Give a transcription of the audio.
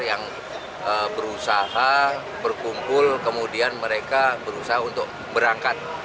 yang berusaha berkumpul kemudian mereka berusaha untuk berangkat